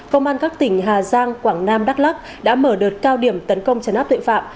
công an các tỉnh hà giang quảng nam đắk lắc đã mở đợt cao điểm tấn công trấn áp tội phạm